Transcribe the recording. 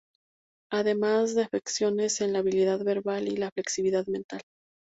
Además de afectaciones en la habilidad verbal y la flexibilidad mental.